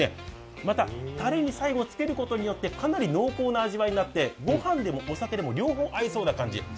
また、たれに最後つけることによってかなり濃厚な味わいになってご飯でもお酒でも両方合いそうな感じ。